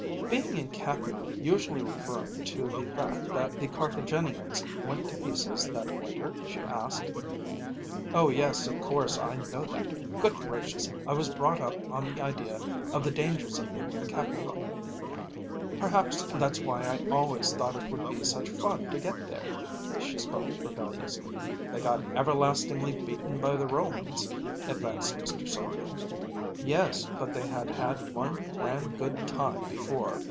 "Being in Capua usually referring to the fact that the Carthaginians went to pieces that winter?" she asked. "Oh yes, of course I know that. Good gracious! I was brought up on the idea of the dangers of being in Capua. Perhaps that's why I always thought it would be such fun to get there." She spoke rebelliously. "They got everlastingly beaten by the Romans," advanced Mr. Sommerville. "Yes, but they had had one grand good time before!